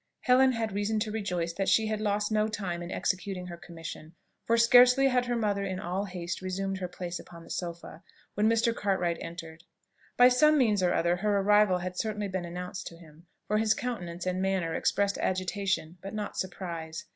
Helen had reason to rejoice that she had lost no time in executing her commission; for scarcely had her mother in all haste resumed her place upon the sofa, when Mr. Cartwright entered. By some means or other her arrival had certainly been announced to him, for his countenance and manner expressed agitation, but not surprise.